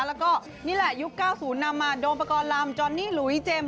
แล้วก็นี่แหละยุคเก้าศูนย์นำมาโดมประกอบรามจอนนี่หรือวิเจมส์